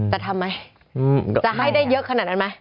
จะทำไหมจะให้ได้เยอะขนาดนั้นไหม